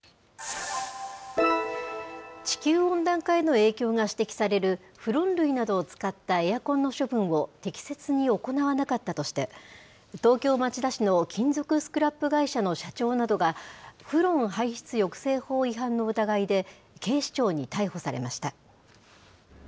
地球温暖化への影響が指摘されるフロン類などを使ったエアコンの処分を適切に行わなかったとして、東京・町田市の金属スクラップ会社の社長などが、フロン排出抑制法違反の疑いで、警視庁に逮捕されました。